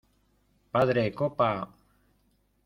¡ padre, copa!